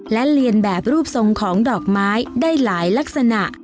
และเรียนแบบรูปทรงของดอกไม้ได้หลายลักษณะ